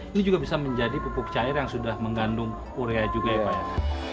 ini juga bisa menjadi pupuk cair yang sudah mengandung urea juga ya pak ya